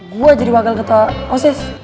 gua jadi wakil ketua osis